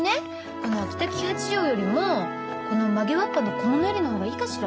この秋田黄八丈よりもこの曲げわっぱの小物入れの方がいいかしら。